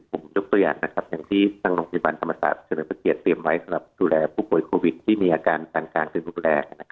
ผมยกตัวอย่างอย่างที่ทางทางโรงพยาบาลธรรมศาสตร์เชิญเวลาประเทศเตรียมไว้สำหรับดูแลผู้ป่วยโควิดที่มีอาการสันการหรือนุกแรก